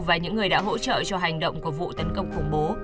và những người đã hỗ trợ cho hành động của vụ tấn công khủng bố